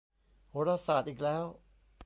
โหราศาสตร์อีกแล้ว